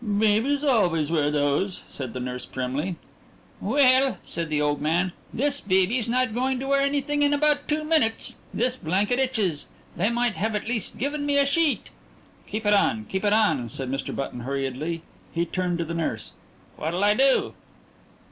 "Babies always wear those," said the nurse primly. "Well," said the old man, "this baby's not going to wear anything in about two minutes. This blanket itches. They might at least have given me a sheet." "Keep it on! Keep it on!" said Mr. Button hurriedly. He turned to the nurse. "What'll I do?"